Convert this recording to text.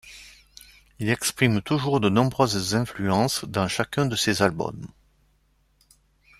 Il exprime toujours de nombreuses influences dans chacun de ses albums.